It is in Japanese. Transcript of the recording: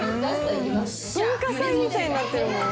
文化祭みたいになってるもん。